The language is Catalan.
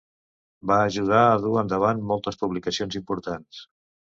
Va ajudar a dur endavant moltes publicacions importants.